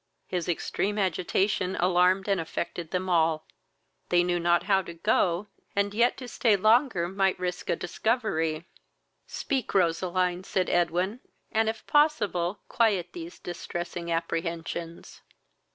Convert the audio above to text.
His extreme agitation alarmed and affected them all. They knew not how to go, and yet to stay longer might risk a discovery. "Speak, Roseline, (said Edwin,) and if possible quiet these distressing apprehensions."